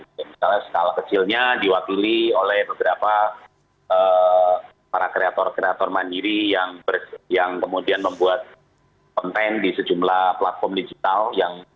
misalnya skala kecilnya diwakili oleh beberapa para kreator kreator mandiri yang kemudian membuat konten di sejumlah platform digital